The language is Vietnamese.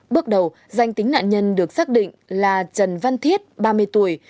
bước đầu danh tính nạn nhân được xác định là trần văn thiết ba mươi tuổi